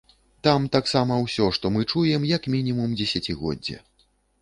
Там таксама ўсё, што мы чуем як мінімум дзесяцігоддзе.